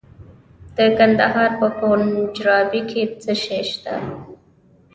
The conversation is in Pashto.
د کندهار په پنجوايي کې څه شی شته؟